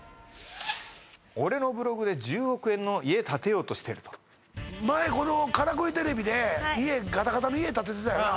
俺のブログで１０億円の家建てようとしてると前からくりＴＶでガタガタの家建ててたよな